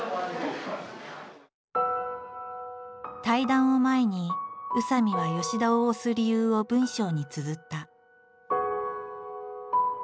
対談を前に宇佐見は吉田を推す理由を文章につづった。